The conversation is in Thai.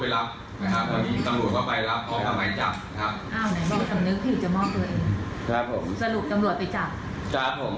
ครับผมสรุปตำรวจไปจับครับผม